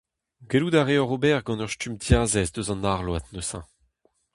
Gallout a reoc'h ober gant ur stumm diazez eus an arload neuze.